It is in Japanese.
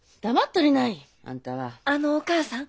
あのお母さん。